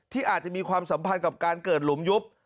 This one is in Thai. อาจจะมีความสัมพันธ์กับการเกิดหลุมยุบ